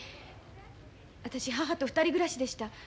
私母と２人暮らしでした。